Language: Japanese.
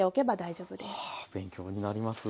はあ勉強になります。